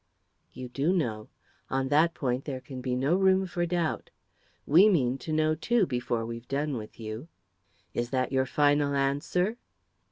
"You do know. On that point there can be no room for doubt. We mean to know, too, before we've done with you. Is that your final answer?"